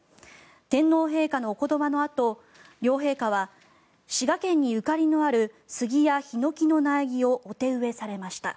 天皇陛下のお言葉のあと両陛下は滋賀県にゆかりのある杉やヒノキの苗木をお手植えされました。